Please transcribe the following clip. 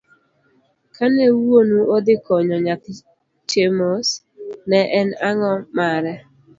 Kane wuonu odhi konyo nyathi Chemos, ne en ango' mare?